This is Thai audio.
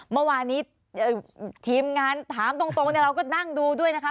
เมื่อวานนี้ทีมงานถามตรงเราก็นั่งดูด้วยนะคะ